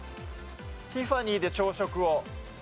『ティファニーで朝食を』。